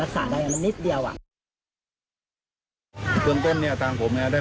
สองครั้งแล้วหรอ